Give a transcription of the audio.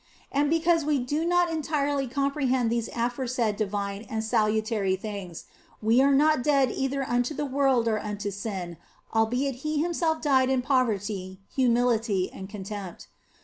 And because we do not entirely comprehend these aforesaid divine and salutary things, we are not dead either unto the world or unto sin, albeit He Him self died in poverty, humility, and contempt.